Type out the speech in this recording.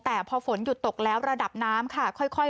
แต่พอฝนหยุดตกแล้วระดับน้ำค่ะค่อย